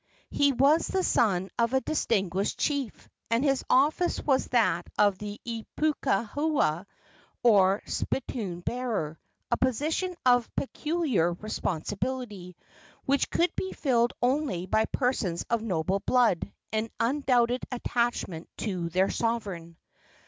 He was the son of a distinguished chief, and his office was that of ipukuha, or spittoon bearer a position of peculiar responsibility, which could be filled only by persons of noble blood and undoubted attachment to their sovereign.